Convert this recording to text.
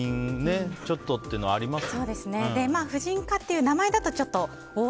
ちょっとというのは婦人科っていう名前だとちょっとおお！